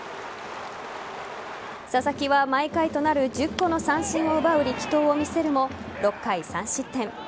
佐々木は毎回となる１０個の三振を奪う力投を見せるも６回３失点。